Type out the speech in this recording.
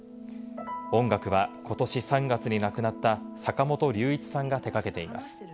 音楽はことし３月に亡くなった坂本龍一さんが手がけています。